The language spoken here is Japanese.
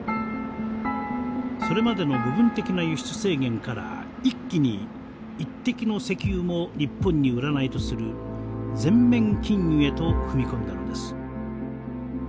それまでの部分的な輸出制限から一気に一滴の石油も日本に売らないとする全面禁輸へと踏み込んだのです。